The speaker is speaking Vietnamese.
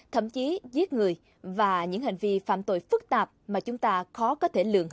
thậm chí giết người và những hành vi phạm tội phức tạp mà chúng ta khó có thể lường hết